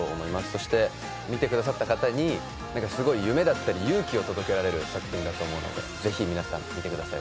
そして、見てくださった方に夢や勇気を届けられる作品だと思うのでぜひ皆さん、見てください。